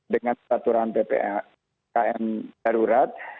dengan peraturan peraturan yang diperlukan